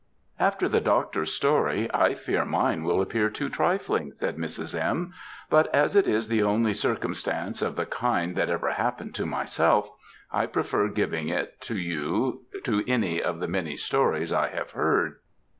"After the doctor's story, I fear mine will appear too trifling," said Mrs. M., "but as it is the only circumstance of the kind that ever happened to myself, I prefer giving it you to any of the many stories I have heard.